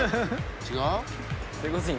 違う？」